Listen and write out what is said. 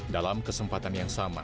dalam kesempatan yang sama